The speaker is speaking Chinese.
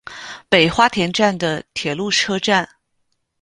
北花田站的铁路车站。